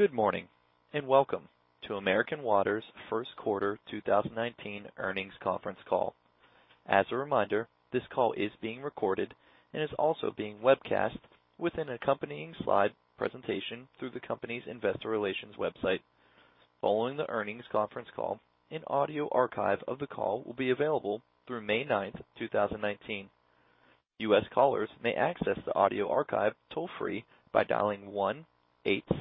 Good morning, and welcome to American Water's first quarter 2019 earnings conference call. As a reminder, this call is being recorded and is also being webcast with an accompanying slide presentation through the company's investor relations website. Following the earnings conference call, an audio archive of the call will be available through May 9th, 2019. U.S. callers may access the audio archive toll-free by dialing 1-877-344-7529.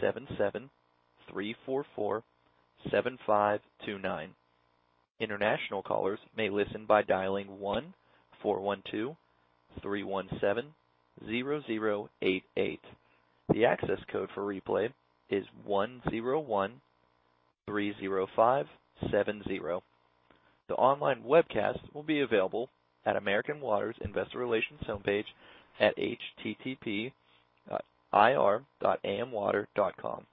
International callers may listen by dialing 1-412-317-0088. The access code for replay is 10130570. The online webcast will be available at American Water's investor relations homepage at http://ir.amwater.com.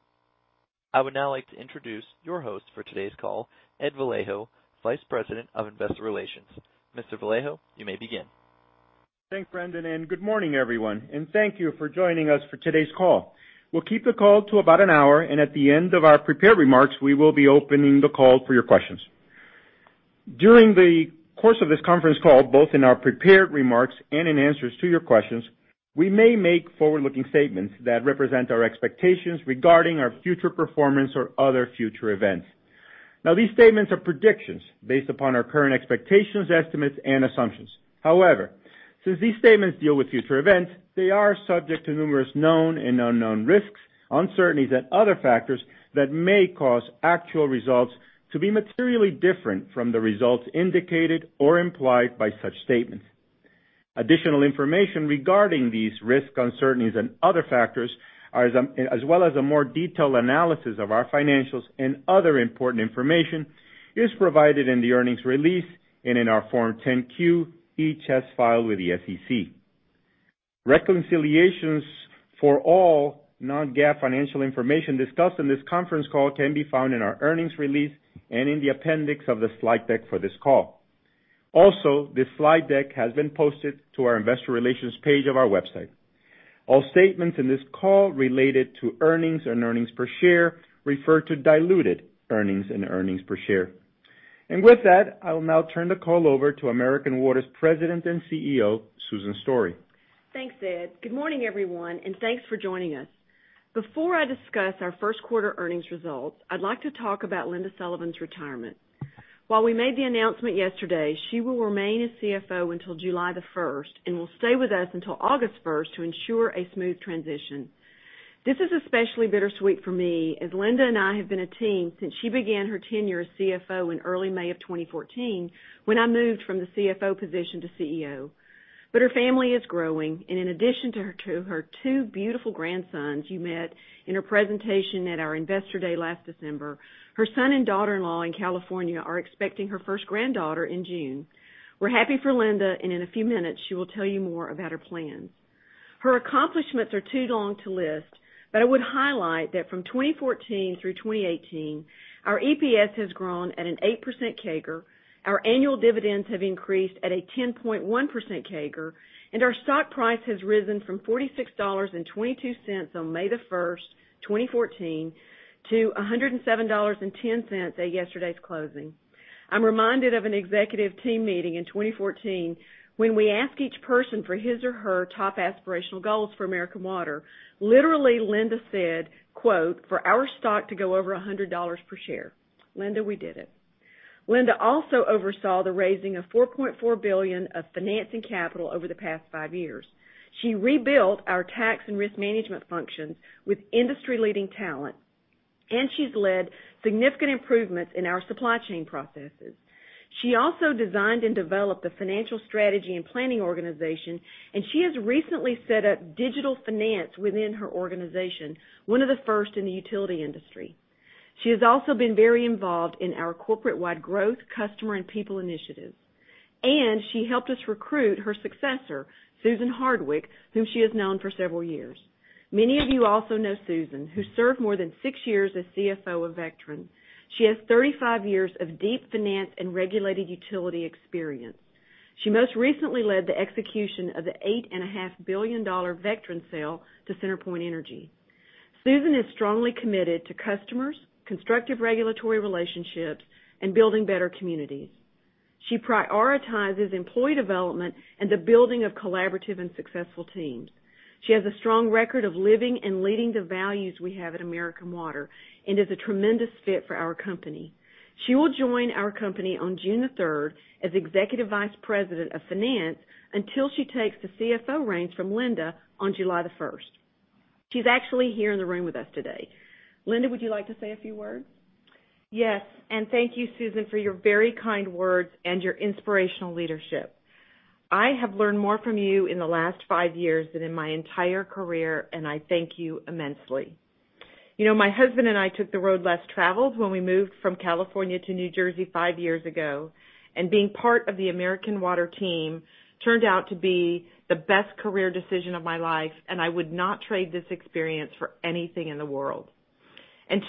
I would now like to introduce your host for today's call, Edward Vallejo, Vice President of Investor Relations. Mr. Vallejo, you may begin. Thanks, Brendan, and good morning, everyone. Thank you for joining us for today's call. We'll keep the call to about an hour, and at the end of our prepared remarks, we will be opening the call for your questions. During the course of this conference call, both in our prepared remarks and in answers to your questions, we may make forward-looking statements that represent our expectations regarding our future performance or other future events. Now, these statements are predictions based upon our current expectations, estimates, and assumptions. However, since these statements deal with future events, they are subject to numerous known and unknown risks, uncertainties, and other factors that may cause actual results to be materially different from the results indicated or implied by such statements. Additional information regarding these risks, uncertainties, and other factors, as well as a more detailed analysis of our financials and other important information, is provided in the earnings release and in our Form 10-Q each has file with the SEC. Reconciliations for all non-GAAP financial information discussed in this conference call can be found in our earnings release and in the appendix of the slide deck for this call. Also, the slide deck has been posted to our investor relations page of our website. All statements in this call related to earnings and earnings per share refer to diluted earnings and earnings per share. With that, I will now turn the call over to American Water's President and CEO, Susan Story. Thanks, Ed. Good morning, everyone, and thanks for joining us. Before I discuss our first quarter earnings results, I'd like to talk about Linda Sullivan's retirement. While we made the announcement yesterday, she will remain as CFO until July the 1st and will stay with us until August 1st to ensure a smooth transition. This is especially bittersweet for me, as Linda and I have been a team since she began her tenure as CFO in early May of 2014, when I moved from the CFO position to CEO. Her family is growing, and in addition to her two beautiful grandsons you met in her presentation at our Investor Day last December, her son and daughter-in-law in California are expecting her first granddaughter in June. We're happy for Linda, and in a few minutes, she will tell you more about her plans. Her accomplishments are too long to list, but I would highlight that from 2014 through 2018, our EPS has grown at an 8% CAGR, our annual dividends have increased at a 10.1% CAGR, and our stock price has risen from $46.22 on May the 1st, 2014 to $107.10 at yesterday's closing. I'm reminded of an executive team meeting in 2014 when we asked each person for his or her top aspirational goals for American Water. Literally, Linda said, quote, "For our stock to go over $100 per share." Linda, we did it. Linda also oversaw the raising of $4.4 billion of financing capital over the past five years. She rebuilt our tax and risk management functions with industry-leading talent. She's led significant improvements in our supply chain processes. She also designed and developed the financial strategy and planning organization. She has recently set up digital finance within her organization, one of the first in the utility industry. She has also been very involved in our corporate-wide growth customer and people initiatives. She helped us recruit her successor, Susan Hardwick, whom she has known for several years. Many of you also know Susan, who served more than six years as CFO of Vectren. She has 35 years of deep finance and regulated utility experience. She most recently led the execution of the $8.5 billion Vectren sale to CenterPoint Energy. Susan is strongly committed to customers, constructive regulatory relationships, and building better communities. She prioritizes employee development and the building of collaborative and successful teams. She has a strong record of living and leading the values we have at American Water and is a tremendous fit for our company. She will join our company on June the 3rd as Executive Vice President of Finance until she takes the CFO reins from Linda on July the 1st. She's actually here in the room with us today. Linda, would you like to say a few words? Yes, thank you, Susan, for your very kind words and your inspirational leadership. I have learned more from you in the last five years than in my entire career. I thank you immensely. My husband and I took the road less traveled when we moved from California to New Jersey five years ago. Being part of the American Water team turned out to be the best career decision of my life, and I would not trade this experience for anything in the world.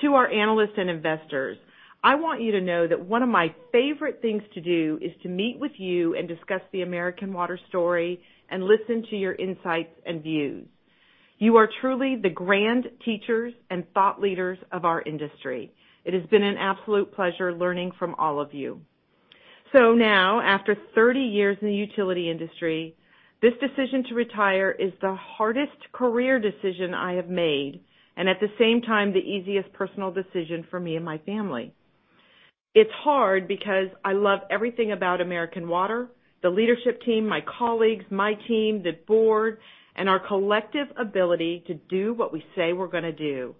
To our analysts and investors, I want you to know that one of my favorite things to do is to meet with you and discuss the American Water story and listen to your insights and views. You are truly the grand teachers and thought leaders of our industry. It has been an absolute pleasure learning from all of you. After 30 years in the utility industry, this decision to retire is the hardest career decision I have made, and at the same time, the easiest personal decision for me and my family. It's hard because I love everything about American Water, the leadership team, my colleagues, my team, the board, and our collective ability to do what we say we're going to do.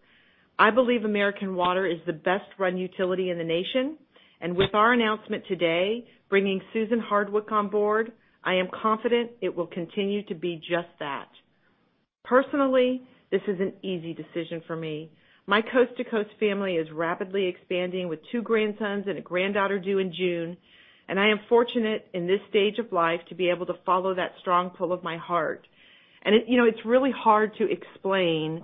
I believe American Water is the best-run utility in the nation. With our announcement today, bringing Susan Hardwick on board, I am confident it will continue to be just that. Personally, this is an easy decision for me. My coast-to-coast family is rapidly expanding with two grandsons and a granddaughter due in June, and I am fortunate in this stage of life to be able to follow that strong pull of my heart. It's really hard to explain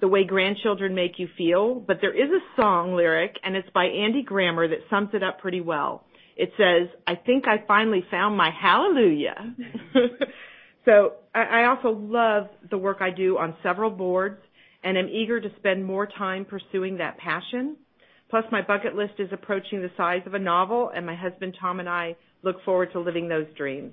the way grandchildren make you feel, but there is a song lyric, and it's by Andy Grammer, that sums it up pretty well. It says, "I think I finally found my hallelujah." I also love the work I do on several boards and am eager to spend more time pursuing that passion. Plus, my bucket list is approaching the size of a novel, and my husband, Tom, and I look forward to living those dreams.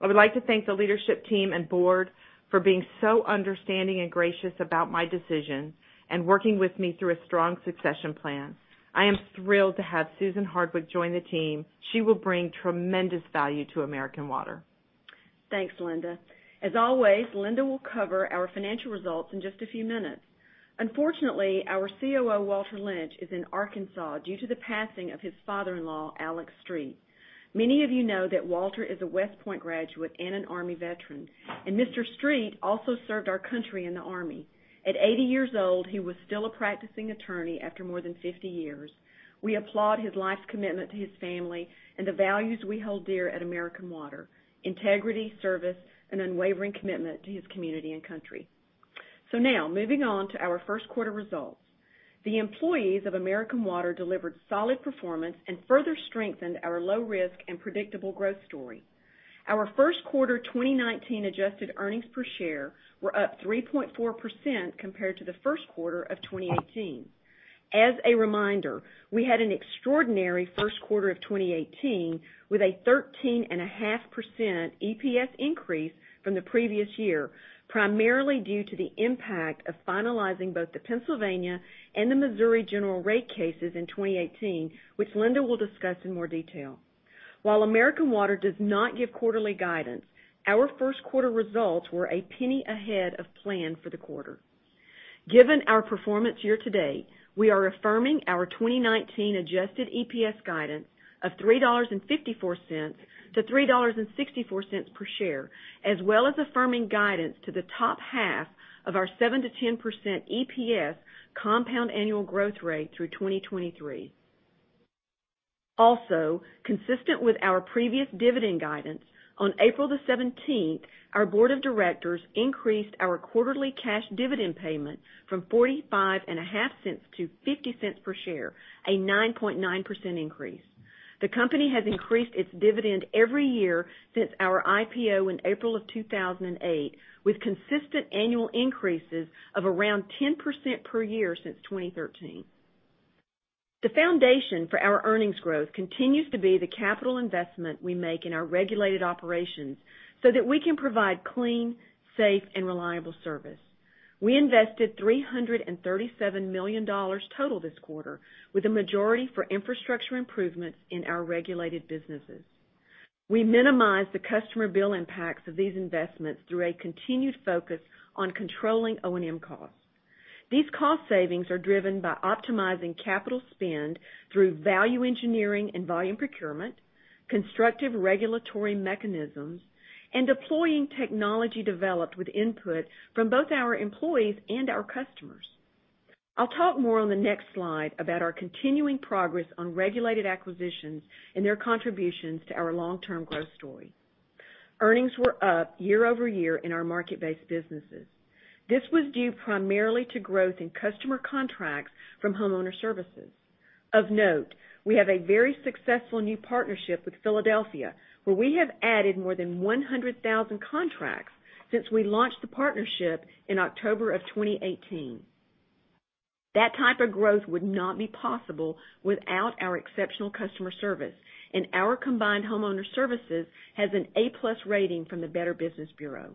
I would like to thank the leadership team and board for being so understanding and gracious about my decision and working with me through a strong succession plan. I am thrilled to have Susan Hardwick join the team. She will bring tremendous value to American Water. Thanks, Linda. As always, Linda will cover our financial results in just a few minutes. Unfortunately, our COO, Walter Lynch, is in Arkansas due to the passing of his father-in-law, Alex Street. Many of you know that Walter is a West Point graduate and an Army veteran, and Mr. Street also served our country in the Army. At 80 years old, he was still a practicing attorney after more than 50 years. We applaud his life's commitment to his family and the values we hold dear at American Water: integrity, service, and unwavering commitment to his community and country. Moving on to our first quarter results. The employees of American Water delivered solid performance and further strengthened our low risk and predictable growth story. Our first quarter 2019 adjusted earnings per share were up 3.4% compared to the first quarter of 2018. As a reminder, we had an extraordinary first quarter of 2018 with a 13.5% EPS increase from the previous year, primarily due to the impact of finalizing both the Pennsylvania and the Missouri general rate cases in 2018, which Linda will discuss in more detail. While American Water does not give quarterly guidance, our first quarter results were a penny ahead of plan for the quarter. Given our performance year to date, we are affirming our 2019 adjusted EPS guidance of $3.54-$3.64 per share, as well as affirming guidance to the top half of our 7%-10% EPS compound annual growth rate through 2023. Consistent with our previous dividend guidance, on April the 17th, our board of directors increased our quarterly cash dividend payment from $0.455 to $0.50 per share, a 9.9% increase. The company has increased its dividend every year since our IPO in April of 2008, with consistent annual increases of around 10% per year since 2013. The foundation for our earnings growth continues to be the capital investment we make in our regulated operations so that we can provide clean, safe, and reliable service. We invested $337 million total this quarter, with the majority for infrastructure improvements in our regulated businesses. We minimized the customer bill impacts of these investments through a continued focus on controlling O&M costs. These cost savings are driven by optimizing capital spend through value engineering and volume procurement, constructive regulatory mechanisms, and deploying technology developed with input from both our employees and our customers. I'll talk more on the next slide about our continuing progress on regulated acquisitions and their contributions to our long-term growth story. Earnings were up year-over-year in our market-based businesses. This was due primarily to growth in customer contracts from homeowner services. Of note, we have a very successful new partnership with Philadelphia, where we have added more than 100,000 contracts since we launched the partnership in October of 2018. That type of growth would not be possible without our exceptional customer service, and our combined homeowner services has an A+ rating from the Better Business Bureau.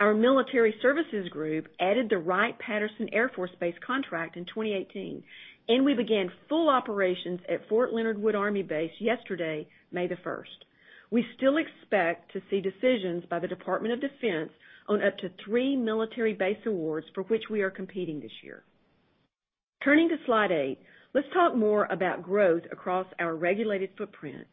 Our military services group added the Wright-Patterson Air Force Base contract in 2018, and we began full operations at Fort Leonard Wood Army Base yesterday, May the 1st. We still expect to see decisions by the Department of Defense on up to three military base awards for which we are competing this year. Turning to slide eight, let's talk more about growth across our regulated footprint.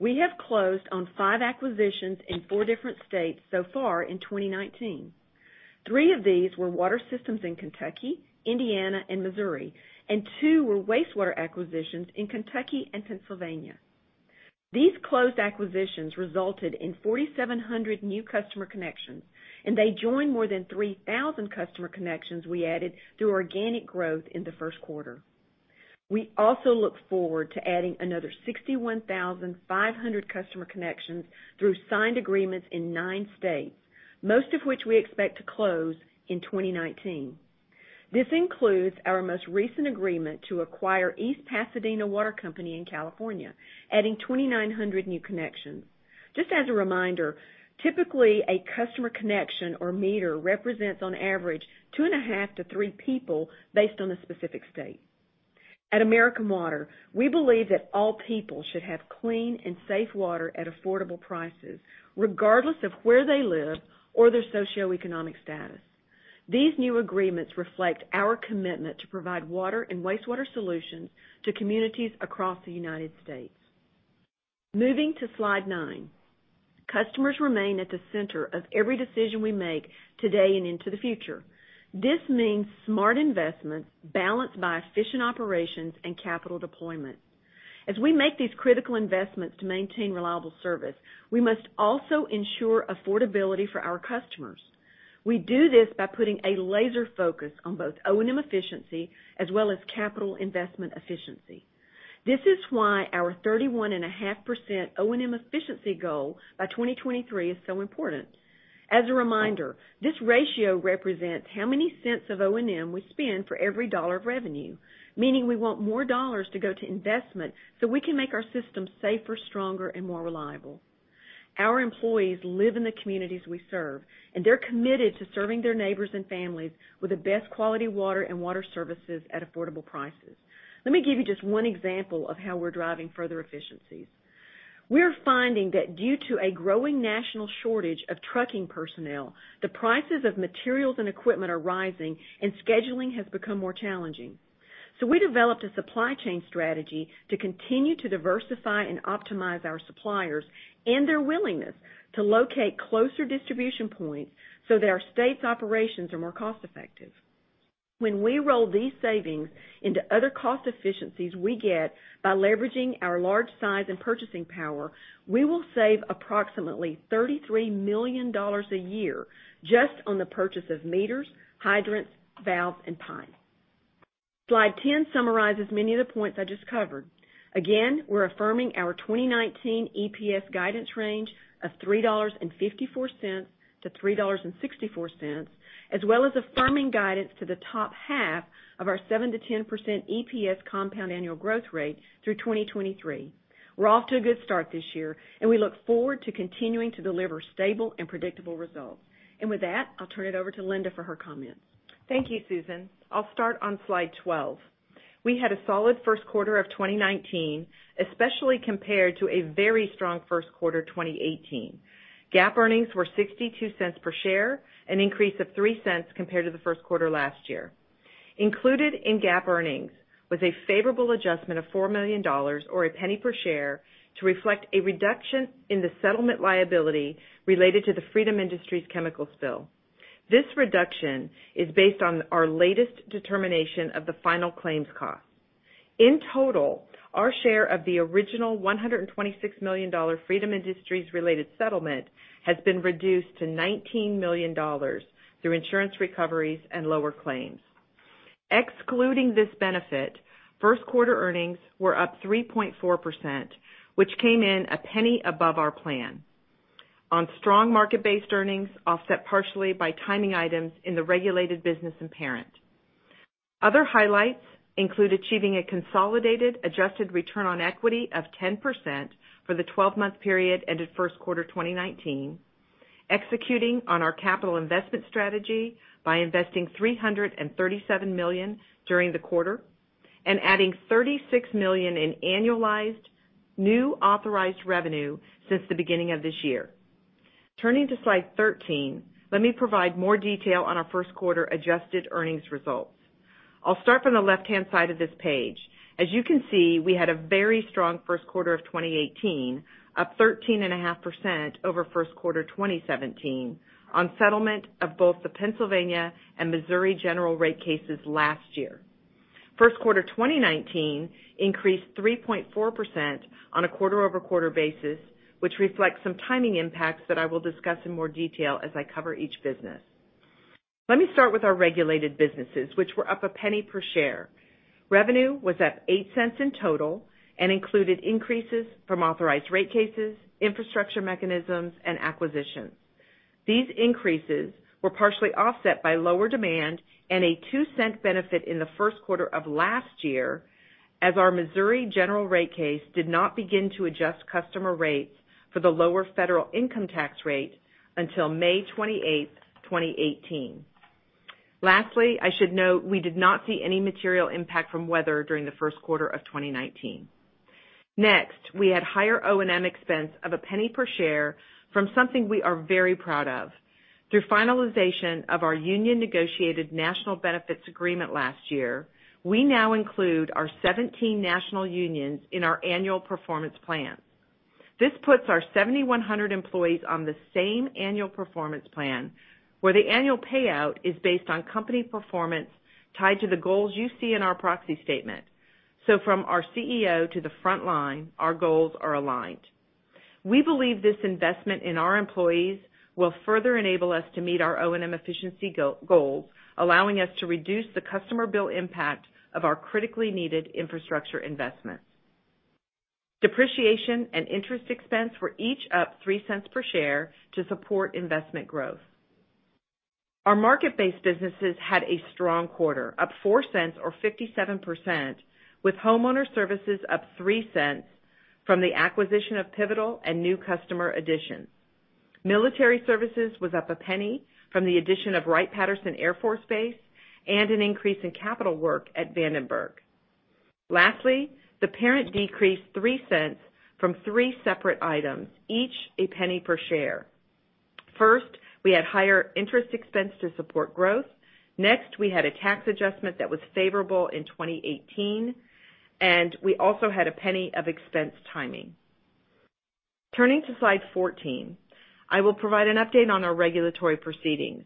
We have closed on five acquisitions in four different states so far in 2019. Three of these were water systems in Kentucky, Indiana, and Missouri, and two were wastewater acquisitions in Kentucky and Pennsylvania. These closed acquisitions resulted in 4,700 new customer connections, and they join more than 3,000 customer connections we added through organic growth in the first quarter. We also look forward to adding another 61,500 customer connections through signed agreements in nine states, most of which we expect to close in 2019. This includes our most recent agreement to acquire East Pasadena Water Company in California, adding 2,900 new connections. Just as a reminder, typically, a customer connection or meter represents, on average, two and a half to three people based on the specific state. At American Water, we believe that all people should have clean and safe water at affordable prices, regardless of where they live or their socioeconomic status. These new agreements reflect our commitment to provide water and wastewater solutions to communities across the U.S. Moving to slide nine. Customers remain at the center of every decision we make today and into the future. This means smart investments balanced by efficient operations and capital deployment. As we make these critical investments to maintain reliable service, we must also ensure affordability for our customers. We do this by putting a laser focus on both O&M efficiency as well as capital investment efficiency. This is why our 31.5% O&M efficiency goal by 2023 is so important. As a reminder, this ratio represents how many cents of O&M we spend for every dollar of revenue, meaning we want more dollars to go to investment so we can make our system safer, stronger, and more reliable. Our employees live in the communities we serve, and they're committed to serving their neighbors and families with the best quality water and water services at affordable prices. Let me give you just one example of how we're driving further efficiencies. We're finding that due to a growing national shortage of trucking personnel, the prices of materials and equipment are rising, and scheduling has become more challenging. We developed a supply chain strategy to continue to diversify and optimize our suppliers and their willingness to locate closer distribution points so that our state's operations are more cost-effective. When we roll these savings into other cost efficiencies we get by leveraging our large size and purchasing power, we will save approximately $33 million a year just on the purchase of meters, hydrants, valves, and pipe. Slide 10 summarizes many of the points I just covered. Again, we're affirming our 2019 EPS guidance range of $3.54-$3.64, as well as affirming guidance to the top half of our 7%-10% EPS compound annual growth rate through 2023. We're off to a good start this year, and we look forward to continuing to deliver stable and predictable results. With that, I'll turn it over to Linda for her comments. Thank you, Susan. I'll start on slide 12. We had a solid first quarter of 2019, especially compared to a very strong first quarter 2018. GAAP earnings were $0.62 per share, an increase of $0.03 compared to the first quarter last year. Included in GAAP earnings was a favorable adjustment of $4 million, or $0.01 per share, to reflect a reduction in the settlement liability related to the Freedom Industries chemical spill. This reduction is based on our latest determination of the final claims cost. In total, our share of the original $126 million Freedom Industries-related settlement has been reduced to $19 million through insurance recoveries and lower claims. Excluding this benefit, first quarter earnings were up 3.4%, which came in $0.01 above our plan on strong market-based earnings, offset partially by timing items in the regulated business and parent. Other highlights include achieving a consolidated adjusted return on equity of 10% for the 12-month period ended first quarter 2019, executing on our capital investment strategy by investing $337 million during the quarter, and adding $36 million in annualized new authorized revenue since the beginning of this year. Turning to slide 13, let me provide more detail on our first quarter-adjusted earnings results. I'll start from the left-hand side of this page. As you can see, we had a very strong first quarter of 2018, up 13.5% over first quarter 2017 on settlement of both the Pennsylvania and Missouri general rate cases last year. First quarter 2019 increased 3.4% on a quarter-over-quarter basis, which reflects some timing impacts that I will discuss in more detail as I cover each business. Let me start with our regulated businesses, which were up $0.01 per share. Revenue was up $0.08 in total and included increases from authorized rate cases, infrastructure mechanisms, and acquisitions. These increases were partially offset by lower demand and a $0.02 benefit in the first quarter of last year, as our Missouri general rate case did not begin to adjust customer rates for the lower federal income tax rate until May 28, 2018. Lastly, I should note we did not see any material impact from weather during the first quarter of 2019. Next, we had higher O&M expense of $0.01 per share from something we are very proud of. Through finalization of our union-negotiated national benefits agreement last year, we now include our 17 national unions in our annual performance plans. This puts our 7,100 employees on the same annual performance plan, where the annual payout is based on company performance tied to the goals you see in our proxy statement. From our CEO to the front line, our goals are aligned. We believe this investment in our employees will further enable us to meet our O&M efficiency goals, allowing us to reduce the customer bill impact of our critically needed infrastructure investments. Depreciation and interest expense were each up $0.03 per share to support investment growth. Our market-based businesses had a strong quarter, up $0.04 or 57%, with Homeowner Services up $0.03 from the acquisition of Pivotal and new customer additions. Military Services was up $0.01 from the addition of Wright-Patterson Air Force Base and an increase in capital work at Vandenberg. Lastly, the parent decreased $0.03 from 3 separate items, each $0.01 per share. First, we had higher interest expense to support growth. Next, we had a tax adjustment that was favorable in 2018, and we also had a $0.01 of expense timing. Turning to slide 14, I will provide an update on our regulatory proceedings.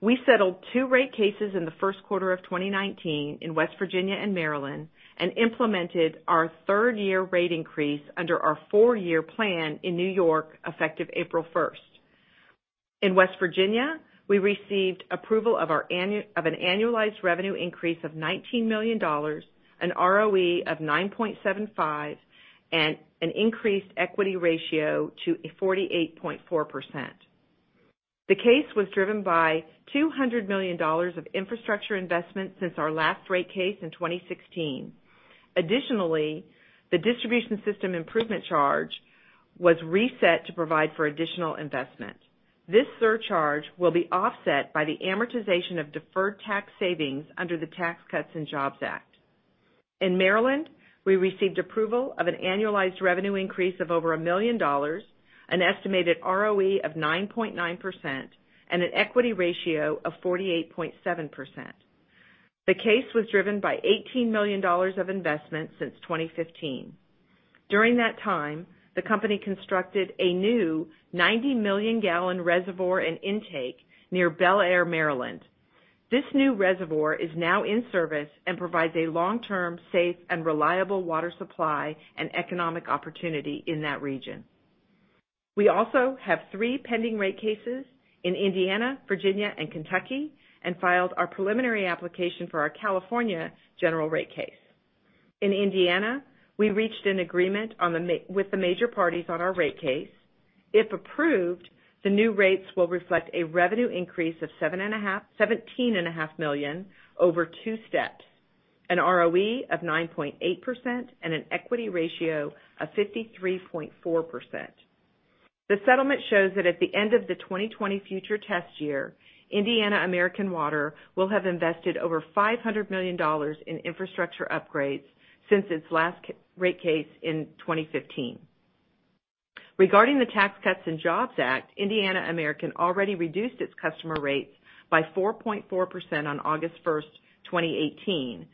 We settled 2 rate cases in the first quarter of 2019 in West Virginia and Maryland and implemented our third-year rate increase under our 4-year plan in New York, effective April 1. In West Virginia, we received approval of an annualized revenue increase of $19 million, an ROE of 9.75%, and an increased equity ratio to 48.4%. The case was driven by $200 million of infrastructure investments since our last rate case in 2016. Additionally, the distribution system improvement charge was reset to provide for additional investment. This surcharge will be offset by the amortization of deferred tax savings under the Tax Cuts and Jobs Act. In Maryland, we received approval of an annualized revenue increase of over $1 million, an estimated ROE of 9.9%, and an equity ratio of 48.7%. The case was driven by $18 million of investments since 2015. During that time, the company constructed a new 90-million gallon reservoir and intake near Bel Air, Maryland. This new reservoir is now in service and provides a long-term, safe, and reliable water supply and economic opportunity in that region. We also have 3 pending rate cases in Indiana, Virginia, and Kentucky, and filed our preliminary application for our California general rate case. In Indiana, we reached an agreement with the major parties on our rate case. If approved, the new rates will reflect a revenue increase of $17.5 million over 2 steps, an ROE of 9.8%, and an equity ratio of 53.4%. The settlement shows that at the end of the 2020 future test year, Indiana American Water will have invested over $500 million in infrastructure upgrades since its last rate case in 2015. Regarding the Tax Cuts and Jobs Act, Indiana American Water already reduced its customer rates by 4.4% on August 1st, 2018,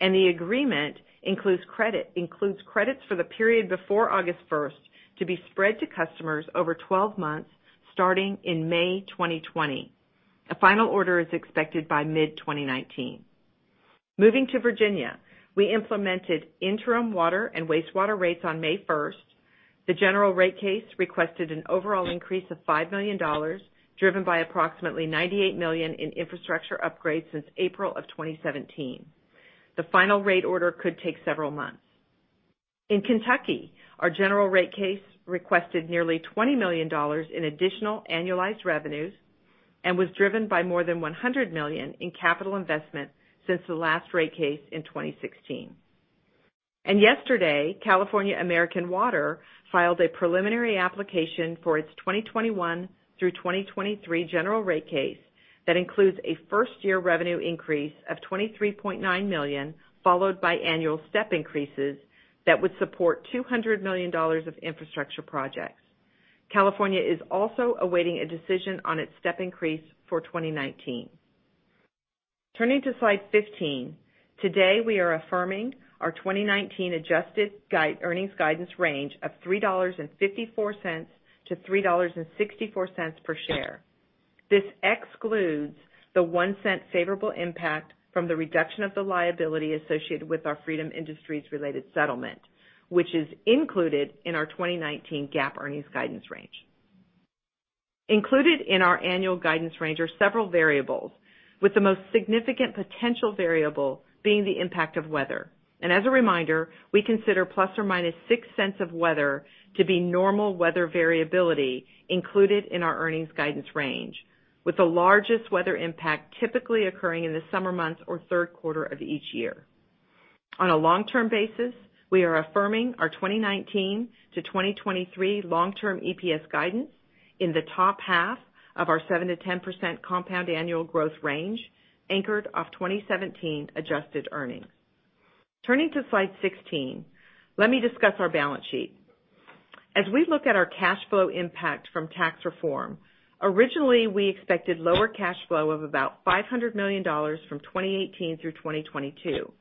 and the agreement includes credits for the period before August 1st to be spread to customers over 12 months, starting in May 2020. A final order is expected by mid-2019. Moving to Virginia, we implemented interim water and wastewater rates on May 1st. The general rate case requested an overall increase of $5 million, driven by approximately $98 million in infrastructure upgrades since April of 2017. The final rate order could take several months. In Kentucky, our general rate case requested nearly $20 million in additional annualized revenues and was driven by more than $100 million in capital investment since the last rate case in 2016. Yesterday, California American Water filed a preliminary application for its 2021 through 2023 general rate case that includes a first-year revenue increase of $23.9 million, followed by annual step increases that would support $200 million of infrastructure projects. California is also awaiting a decision on its step increase for 2019. Turning to slide 15. Today, we are affirming our 2019 adjusted earnings guidance range of $3.54 to $3.64 per share. This excludes the $0.01 favorable impact from the reduction of the liability associated with our Freedom Industries related settlement, which is included in our 2019 GAAP earnings guidance range. Included in our annual guidance range are several variables, with the most significant potential variable being the impact of weather. As a reminder, we consider ±$0.06 of weather to be normal weather variability included in our earnings guidance range, with the largest weather impact typically occurring in the summer months or third quarter of each year. On a long-term basis, we are affirming our 2019 to 2023 long-term EPS guidance in the top half of our 7%-10% compound annual growth range, anchored off 2017 adjusted earnings. Turning to slide 16, let me discuss our balance sheet. As we look at our cash flow impact from tax reform, originally, we expected lower cash flow of about $500 million from 2018 through 2022.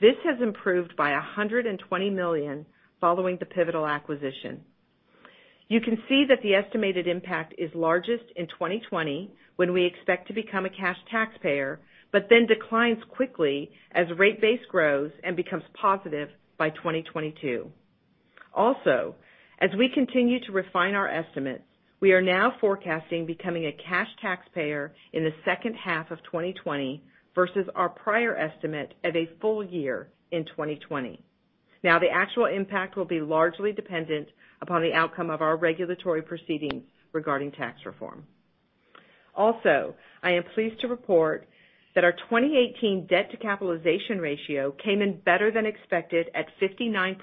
This has improved by $120 million following the Pivotal acquisition. You can see that the estimated impact is largest in 2020, when we expect to become a cash taxpayer, declines quickly as rate base grows and becomes positive by 2022. As we continue to refine our estimates, we are now forecasting becoming a cash taxpayer in the second half of 2020 versus our prior estimate at a full year in 2020. The actual impact will be largely dependent upon the outcome of our regulatory proceedings regarding tax reform. I am pleased to report that our 2018 debt to capitalization ratio came in better than expected at 59%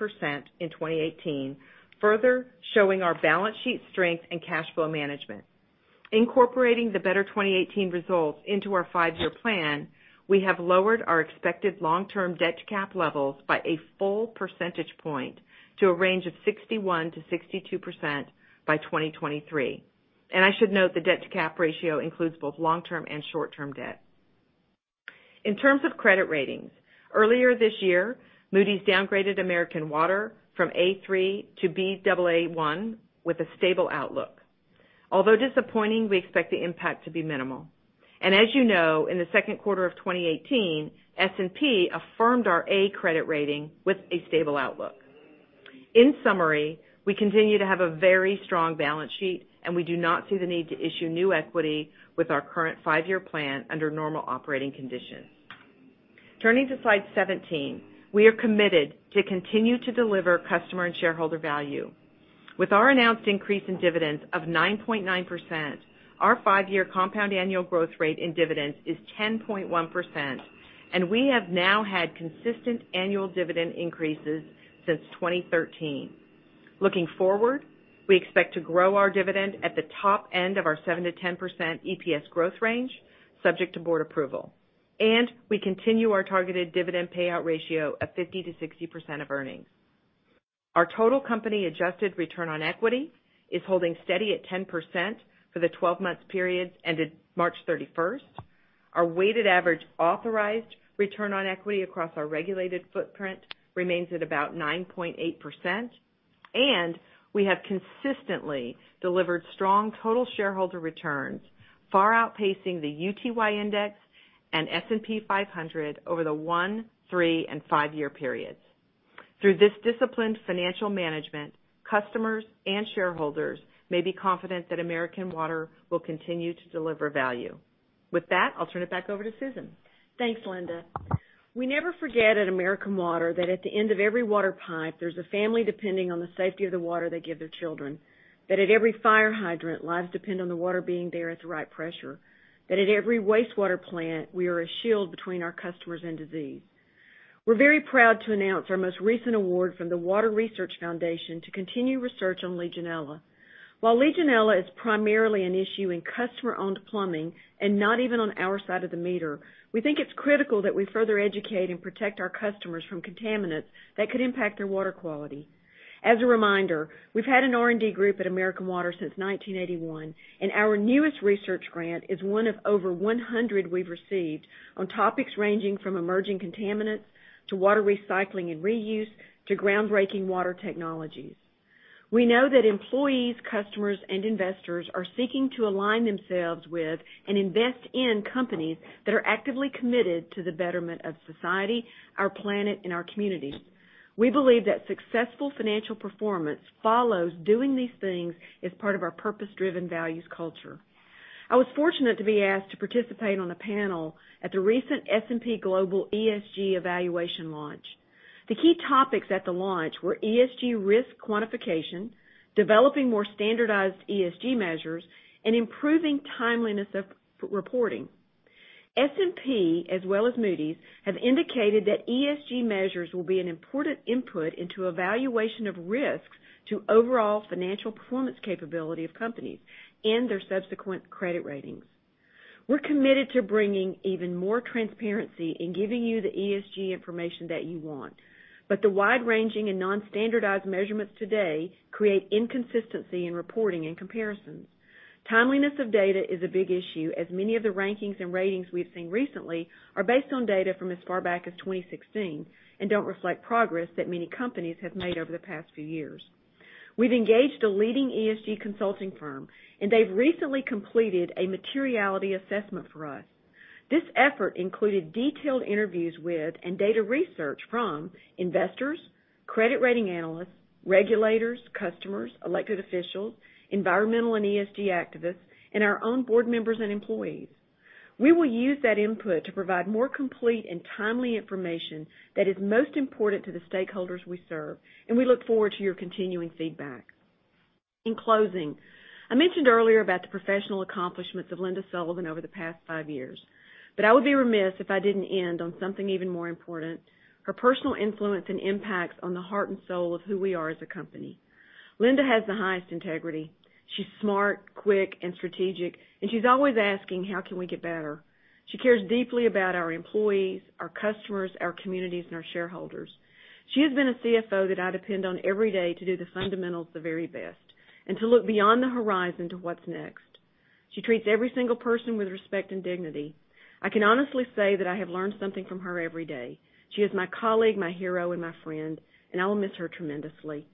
in 2018, further showing our balance sheet strength and cash flow management. Incorporating the better 2018 results into our five-year plan, we have lowered our expected long-term debt to cap levels by a full percentage point to a range of 61%-62% by 2023. I should note the debt to cap ratio includes both long-term and short-term debt. In terms of credit ratings, earlier this year, Moody's downgraded American Water from A3 to Baa1 with a stable outlook. Although disappointing, we expect the impact to be minimal. As you know, in the second quarter of 2018, S&P affirmed our A credit rating with a stable outlook. In summary, we continue to have a very strong balance sheet, and we do not see the need to issue new equity with our current five-year plan under normal operating conditions. Turning to slide 17. We are committed to continue to deliver customer and shareholder value. With our announced increase in dividends of 9.9%, our five-year compound annual growth rate in dividends is 10.1%, and we have now had consistent annual dividend increases since 2013. Looking forward, we expect to grow our dividend at the top end of our 7%-10% EPS growth range, subject to board approval. We continue our targeted dividend payout ratio of 50%-60% of earnings. Our total company adjusted return on equity is holding steady at 10% for the 12-month period ended March 31st. Our weighted average authorized return on equity across our regulated footprint remains at about 9.8%, and we have consistently delivered strong total shareholder returns, far outpacing the UTY index and S&P 500 over the one, three, and five-year periods. Through this disciplined financial management, customers and shareholders may be confident that American Water will continue to deliver value. With that, I'll turn it back over to Susan. Thanks, Linda. We never forget at American Water that at the end of every water pipe, there's a family depending on the safety of the water they give their children, that at every fire hydrant, lives depend on the water being there at the right pressure, that at every wastewater plant, we are a shield between our customers and disease. We're very proud to announce our most recent award from the Water Research Foundation to continue research on Legionella. While Legionella is primarily an issue in customer-owned plumbing and not even on our side of the meter, we think it's critical that we further educate and protect our customers from contaminants that could impact their water quality. As a reminder, we've had an R&D group at American Water since 1981, and our newest research grant is one of over 100 we've received on topics ranging from emerging contaminants to water recycling and reuse to groundbreaking water technologies. We know that employees, customers, and investors are seeking to align themselves with and invest in companies that are actively committed to the betterment of society, our planet, and our communities. We believe that successful financial performance follows doing these things as part of our purpose-driven values culture. I was fortunate to be asked to participate on a panel at the recent S&P Global ESG Evaluation Launch. The key topics at the launch were ESG risk quantification, developing more standardized ESG measures, and improving timeliness of reporting. S&P, as well as Moody's, have indicated that ESG measures will be an important input into evaluation of risks to overall financial performance capability of companies and their subsequent credit ratings. We're committed to bringing even more transparency in giving you the ESG information that you want. The wide-ranging and non-standardized measurements today create inconsistency in reporting and comparisons. Timeliness of data is a big issue, as many of the rankings and ratings we've seen recently are based on data from as far back as 2016 and don't reflect progress that many companies have made over the past few years. We've engaged a leading ESG consulting firm, and they've recently completed a materiality assessment for us. This effort included detailed interviews with and data research from investors, credit rating analysts, regulators, customers, elected officials, environmental and ESG activists, and our own board members and employees. We will use that input to provide more complete and timely information that is most important to the stakeholders we serve, and we look forward to your continuing feedback. In closing, I mentioned earlier about the professional accomplishments of Linda Sullivan over the past five years, I would be remiss if I didn't end on something even more important, her personal influence and impacts on the heart and soul of who we are as a company. Linda has the highest integrity. She's smart, quick, and strategic, and she's always asking, "How can we get better?" She cares deeply about our employees, our customers, our communities, and our shareholders. She has been a CFO that I depend on every day to do the fundamentals the very best and to look beyond the horizon to what's next. She treats every single person with respect and dignity. I can honestly say that I have learned something from her every day. She is my colleague, my hero, and my friend, and I will miss her tremendously.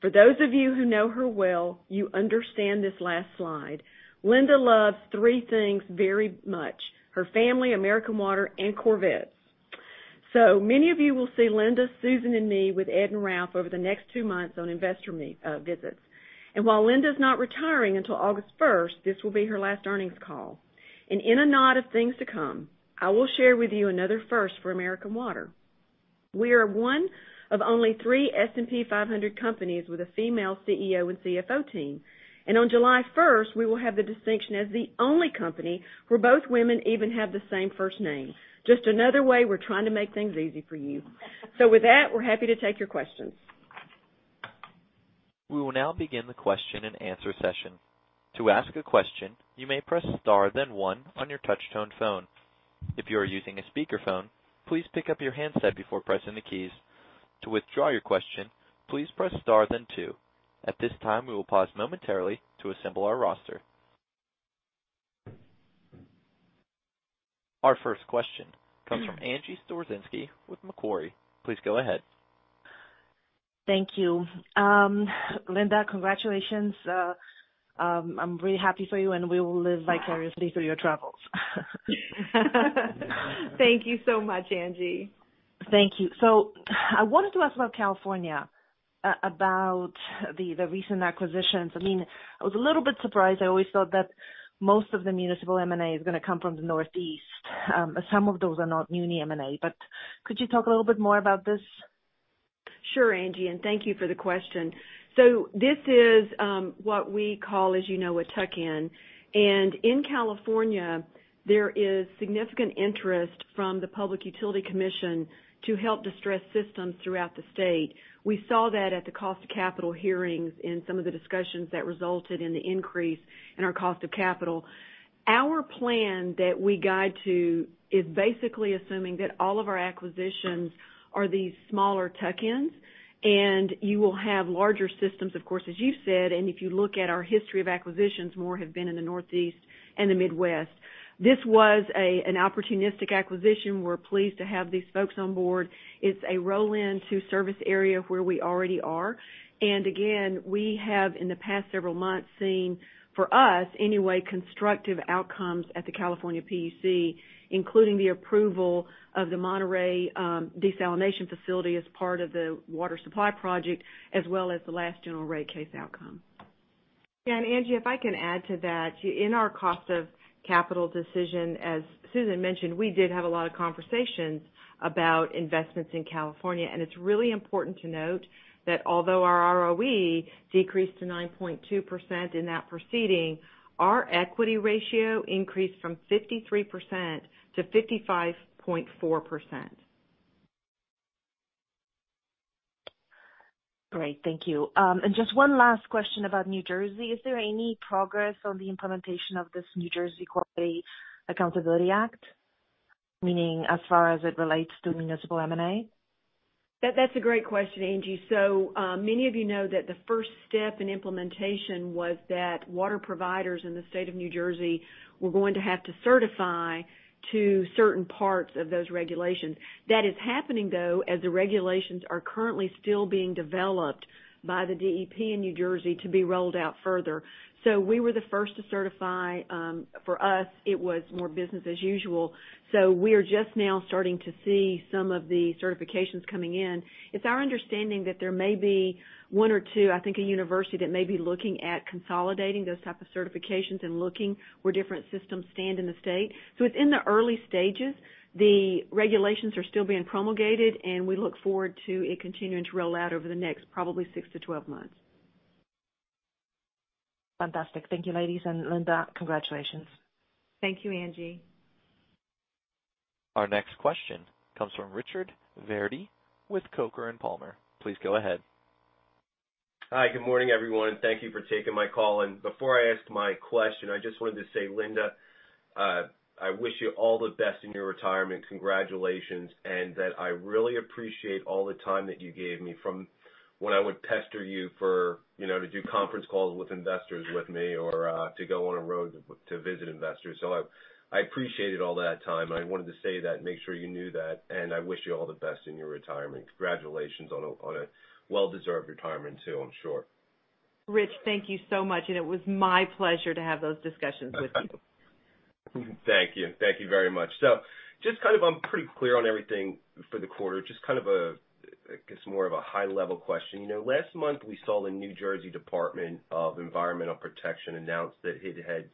For those of you who know her well, you understand this last slide. Linda loves three things very much: her family, American Water, and Corvettes. Many of you will see Linda, Susan, and me with Ed and Ralph over the next two months on investor visits. While Linda's not retiring until August 1st, this will be her last earnings call. In a nod of things to come, I will share with you another first for American Water. We are one of only three S&P 500 companies with a female CEO and CFO team. On July 1st, we will have the distinction as the only company where both women even have the same first name. Just another way we're trying to make things easy for you. With that, we're happy to take your questions. We will now begin the question and answer session. To ask a question, you may press star then one on your touch tone phone. If you are using a speakerphone, please pick up your handset before pressing the keys. To withdraw your question, please press star then two. At this time, we will pause momentarily to assemble our roster. Our first question comes from Angie Storozynski with Macquarie. Please go ahead. Thank you. Linda, congratulations. I'm really happy for you. We will live vicariously through your travels. Thank you so much, Angie. Thank you. I wanted to ask about California, about the recent acquisitions. I was a little bit surprised. I always thought that most of the municipal M&A is going to come from the Northeast. Some of those are not muni M&A. Could you talk a little bit more about this? Sure, Angie, thank you for the question. This is what we call, as you know, a tuck-in. In California, there is significant interest from the Public Utility Commission to help distressed systems throughout the state. We saw that at the cost of capital hearings in some of the discussions that resulted in the increase in our cost of capital. Our plan that we guide to is basically assuming that all of our acquisitions are these smaller tuck-ins. You will have larger systems, of course, as you said, if you look at our history of acquisitions, more have been in the Northeast and the Midwest. This was an opportunistic acquisition. We're pleased to have these folks on board. It's a roll-in to service area where we already are. Again, we have in the past several months seen, for us anyway, constructive outcomes at the California PUC, including the approval of the Monterey desalination facility as part of the water supply project, as well as the last general rate case outcome. Angie, if I can add to that. In our cost of capital decision, as Susan mentioned, we did have a lot of conversations about investments in California, and it's really important to note that although our ROE decreased to 9.2% in that proceeding, our equity ratio increased from 53% to 55.4%. Great. Thank you. Just one last question about New Jersey. Is there any progress on the implementation of this New Jersey Water Quality Accountability Act, meaning as far as it relates to municipal M&A? That's a great question, Angie. Many of you know that the first step in implementation was that water providers in the state of New Jersey were going to have to certify to certain parts of those regulations. That is happening, though, as the regulations are currently still being developed by the DEP in New Jersey to be rolled out further. We were the first to certify. For us, it was more business as usual. We are just now starting to see some of the certifications coming in. It's our understanding that there may be one or two, I think a university, that may be looking at consolidating those type of certifications and looking where different systems stand in the state. It's in the early stages. The regulations are still being promulgated, and we look forward to it continuing to roll out over the next probably 6 to 12 months. Fantastic. Thank you, ladies. Linda, congratulations. Thank you, Angie. Our next question comes from Richard Verdi with Coker & Palmer. Please go ahead. Hi. Good morning, everyone. Thank you for taking my call. Before I ask my question, I just wanted to say, Linda, I wish you all the best in your retirement. Congratulations, and that I really appreciate all the time that you gave me from when I would pester you to do conference calls with investors with me or to go on a road to visit investors. I appreciated all that time. I wanted to say that and make sure you knew that, and I wish you all the best in your retirement. Congratulations on a well-deserved retirement, too, I'm sure. Rich, thank you so much. It was my pleasure to have those discussions with you. Thank you. Thank you very much. I'm pretty clear on everything for the quarter. Just kind of a, I guess, more of a high-level question. Last month we saw the New Jersey Department of Environmental Protection announce that it had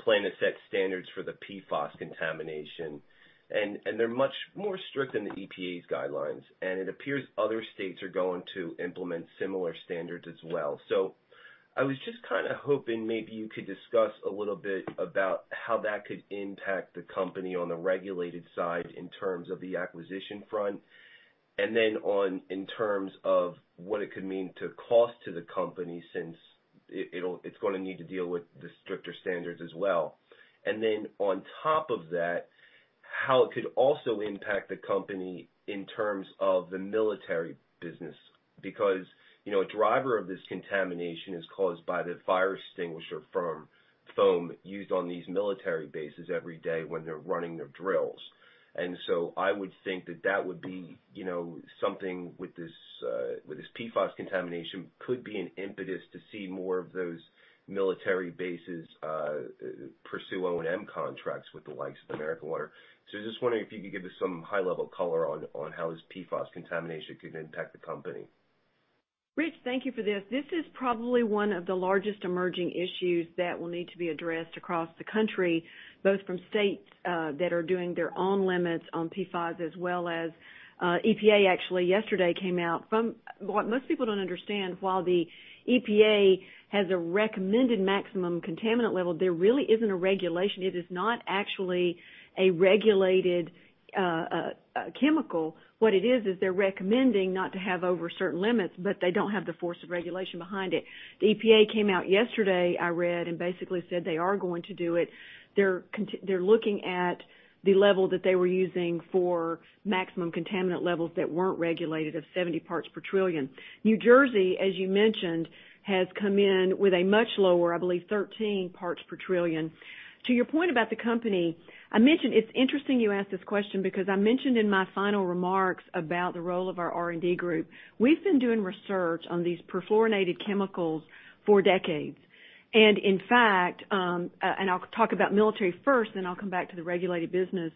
planned to set standards for the PFOS contamination, they're much more strict than the EPA's guidelines, it appears other states are going to implement similar standards as well. I was just kind of hoping maybe you could discuss a little bit about how that could impact the company on the regulated side in terms of the acquisition front and then in terms of what it could mean to cost to the company, since it's going to need to deal with the stricter standards as well. Then on top of that, how it could also impact the company in terms of the military business. A driver of this contamination is caused by the fire extinguisher foam used on these military bases every day when they're running their drills. I would think that that would be something with this PFOS contamination could be an impetus to see more of those military bases pursue O&M contracts with the likes of American Water. I was just wondering if you could give us some high-level color on how this PFOS contamination could impact the company. Rich, thank you for this. This is probably one of the largest emerging issues that will need to be addressed across the country, both from states that are doing their own limits on PFAS as well as EPA actually yesterday came out. What most people don't understand, while the EPA has a recommended maximum contaminant level, there really isn't a regulation. It is not actually a regulated chemical. What it is they're recommending not to have over certain limits, but they don't have the force of regulation behind it. The EPA came out yesterday, I read. Basically said they are going to do it. They're looking at the level that they were using for maximum contaminant levels that weren't regulated of 70 parts per trillion. New Jersey, as you mentioned, has come in with a much lower, I believe, 13 parts per trillion. To your point about the company, it's interesting you ask this question because I mentioned in my final remarks about the role of our R&D group. We've been doing research on these perfluorinated chemicals for decades. In fact, I'll talk about military first, then I'll come back to the regulated business,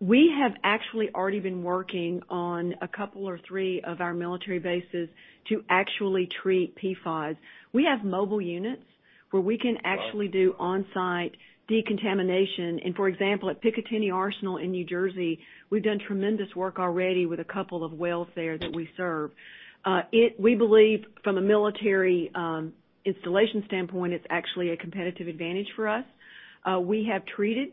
we have actually already been working on a couple or three of our military bases to actually treat PFAS. We have mobile units where we can actually do on-site decontamination, and for example, at Picatinny Arsenal in New Jersey, we've done tremendous work already with a couple of wells there that we serve. We believe from a military installation standpoint, it's actually a competitive advantage for us. We have treated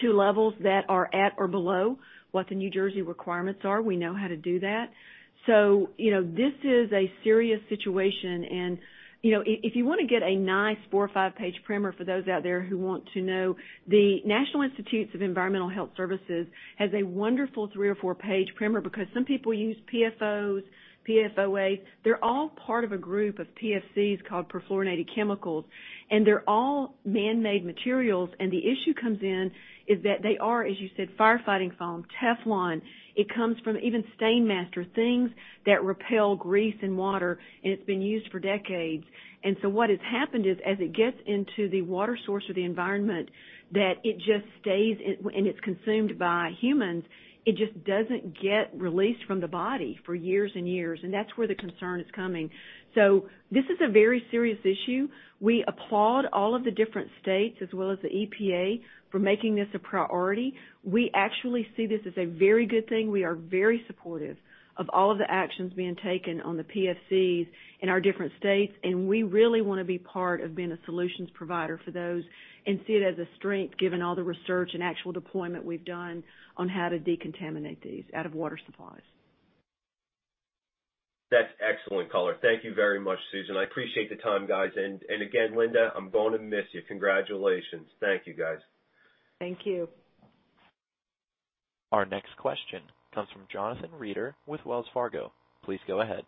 two levels that are at or below what the New Jersey requirements are. We know how to do that. This is a serious situation, and if you want to get a nice four or five-page primer for those out there who want to know, the National Institute of Environmental Health Sciences has a wonderful three or four-page primer because some people use PFOS, PFOAs. They're all part of a group of PFCs called perfluorinated chemicals, and they're all man-made materials. The issue comes in is that they are, as you said, firefighting foam, Teflon. It comes from even Stainmaster. Things that repel grease and water. It's been used for decades. What has happened is as it gets into the water source or the environment, that it just stays and it's consumed by humans. It just doesn't get released from the body for years and years, and that's where the concern is coming. This is a very serious issue. We applaud all of the different states as well as the EPA for making this a priority. We actually see this as a very good thing. We are very supportive of all of the actions being taken on the PFCs in our different states, and we really want to be part of being a solutions provider for those and see it as a strength given all the research and actual deployment we've done on how to decontaminate these out of water supplies. That's excellent color. Thank you very much, Susan. I appreciate the time, guys. Again, Linda, I'm going to miss you. Congratulations. Thank you, guys. Thank you. Our next question comes from Jonathan Reeder with Wells Fargo. Please go ahead.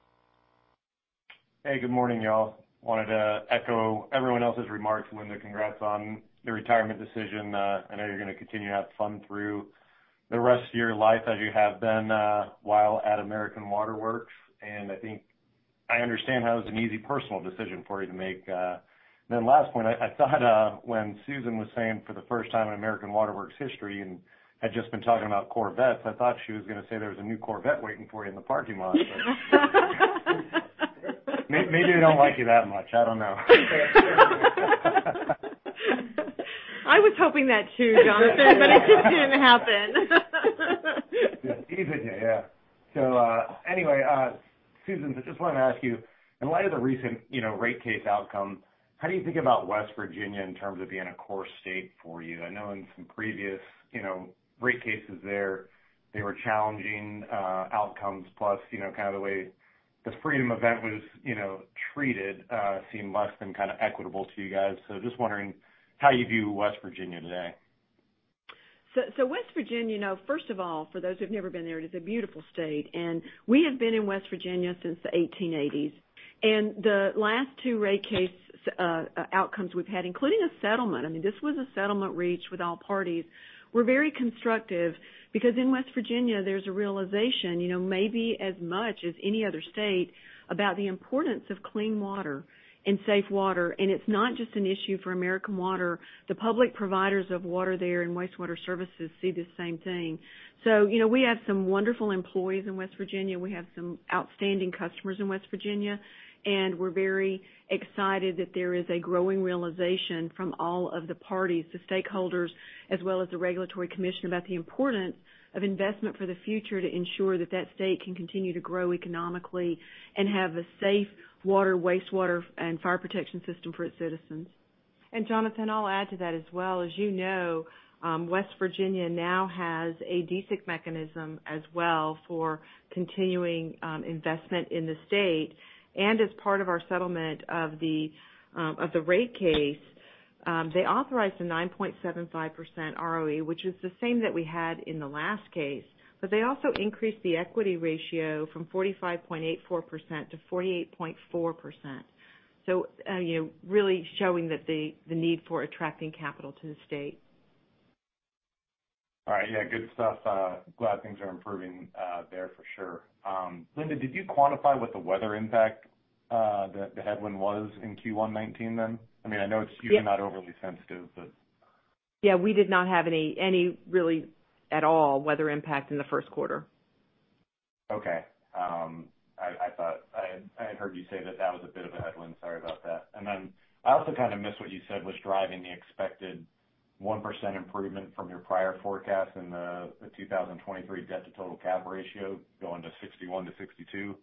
Hey, good morning, y'all. Wanted to echo everyone else's remarks. Linda, congrats on the retirement decision. I know you're going to continue to have fun through the rest of your life as you have been while at American Water Works, I think I understand how it was an easy personal decision for you to make. Last point, I thought when Susan was saying for the first time in American Water Works history and had just been talking about Corvettes, I thought she was going to say there was a new Corvette waiting for you in the parking lot. Maybe they don't like you that much. I don't know. I was hoping that too, Jonathan, but it just didn't happen. Yeah. Anyway, Susan, I just wanted to ask you, in light of the recent rate case outcome, how do you think about West Virginia in terms of being a core state for you? I know in some previous rate cases there, they were challenging outcomes plus, kind of the way the Freedom event was treated seemed less than equitable to you guys. Just wondering how you view West Virginia today. West Virginia, now, first of all, for those who've never been there, it is a beautiful state, and we have been in West Virginia since the 1880s. The last two rate case outcomes we've had, including a settlement, I mean, this was a settlement reached with all parties, were very constructive because in West Virginia, there's a realization maybe as much as any other state about the importance of clean water and safe water. It's not just an issue for American Water. The public providers of water there and wastewater services see the same thing. We have some wonderful employees in West Virginia. We have some outstanding customers in West Virginia, and we're very excited that there is a growing realization from all of the parties, the stakeholders, as well as the regulatory commission, about the importance of investment for the future to ensure that state can continue to grow economically and have a safe water, wastewater, and fire protection system for its citizens. Jonathan, I'll add to that as well. As you know, West Virginia now has a DSIC mechanism as well for continuing investment in the state. As part of our settlement of the rate case, they authorized a 9.75% ROE, which is the same that we had in the last case, but they also increased the equity ratio from 45.84% to 48.4%. Really showing the need for attracting capital to the state. All right. Yeah, good stuff. Glad things are improving there for sure. Linda, did you quantify what the weather impact the headwind was in Q1 2019 then? I know it's usually not overly sensitive but Yeah, we did not have any really at all weather impact in the first quarter. Okay. I had heard you say that that was a bit of a headwind. Sorry about that. Then I also kind of missed what you said was driving the expected 1% improvement from your prior forecast in the 2023 debt to total cap ratio going to 61%-62%.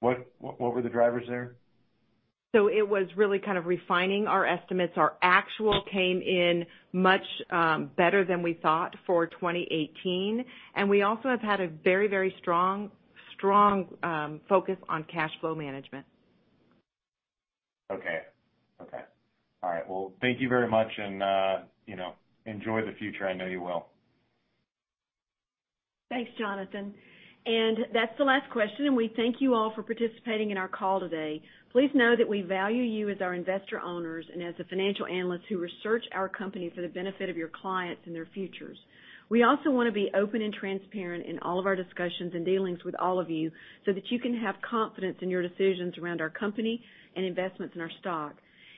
What were the drivers there? It was really kind of refining our estimates. Our actual came in much better than we thought for 2018, and we also have had a very strong focus on cash flow management. Okay. All right. Well, thank you very much and enjoy the future. I know you will. Thanks, Jonathan. That's the last question, and we thank you all for participating in our call today. Please know that we value you as our investor owners and as the financial analysts who research our company for the benefit of your clients and their futures. We also want to be open and transparent in all of our discussions and dealings with all of you so that you can have confidence in your decisions around our company and investments in our stock.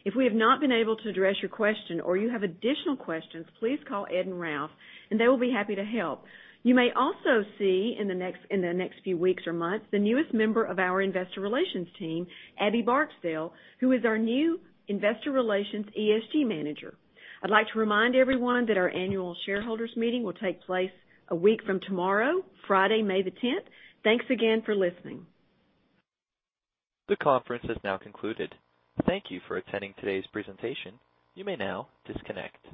If we have not been able to address your question or you have additional questions, please call Ed and Ralph, and they will be happy to help. You may also see in the next few weeks or months, the newest member of our Investor Relations team, Abbey Barksdale, who is our new Investor Relations ESG Manager. I'd like to remind everyone that our annual shareholders meeting will take place a week from tomorrow, Friday, May the 10th. Thanks again for listening. The conference has now concluded. Thank you for attending today's presentation. You may now disconnect.